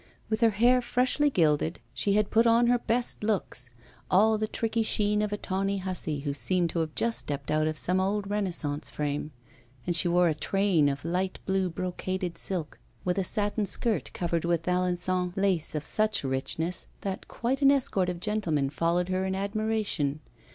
With her hair freshly gilded, she had put on her best looks all the tricky sheen of a tawny hussy, who seemed to have just stepped out of some old Renaissance frame; and she wore a train of light blue brocaded silk, with a satin skirt covered with Alençon lace, of such richness that quite an escort of gentlemen followed her in admiration.